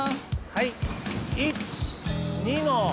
はい。